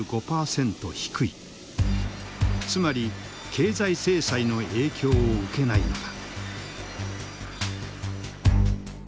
つまり経済制裁の影響を受けないのだ。